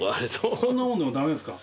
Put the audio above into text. こんなものでもだめですか。